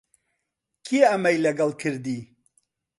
کێ ئەمەی لەگەڵ کردی؟